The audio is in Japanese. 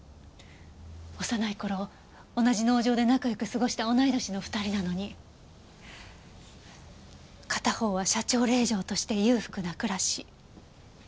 幼い頃同じ農場で仲良く過ごした同い年の２人なのに片方は社長令嬢として裕福な暮らし。